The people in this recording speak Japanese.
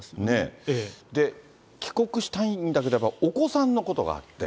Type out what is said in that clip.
帰国したいんだけれども、お子さんのことがあって。